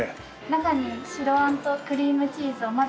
中に白あんとクリームチーズを混ぜたものが。